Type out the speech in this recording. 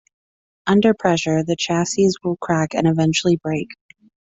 Under pressure, the chassis will crack and eventually break.